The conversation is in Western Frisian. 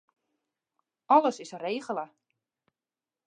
Alles is regele.